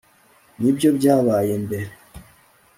nibyo byabaye mbere